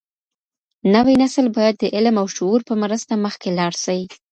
نوی نسل بايد د علم او شعور په مرسته مخکې لاړ سي.